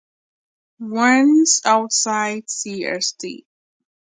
Once outside, Cst.